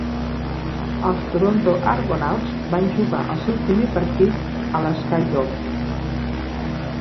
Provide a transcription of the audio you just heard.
Els Toronto Argonauts van jugar el seu primer partit a l'SkyDome.